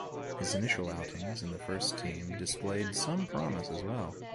His initial outings in the first team displayed some promise as well.